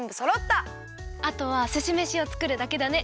あとはすしめしをつくるだけだね！